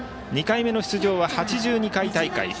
２回目の出場は８２回大会。